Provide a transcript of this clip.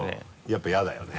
やっぱ嫌だよね。